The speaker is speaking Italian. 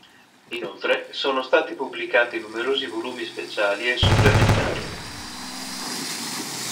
Inoltre, sono stati pubblicati numerosi volumi speciali e supplementari.